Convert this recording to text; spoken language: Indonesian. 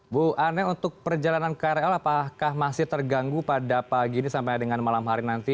bu ane untuk perjalanan krl apakah masih terganggu pada pagi ini sampai dengan malam hari nanti